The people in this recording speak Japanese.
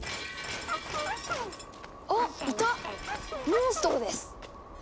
モンストロです！